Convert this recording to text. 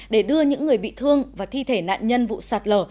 để đưa những người bị thương và thi thể nạn nhân vụ sạt lở